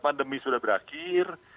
pandemi sudah berakhir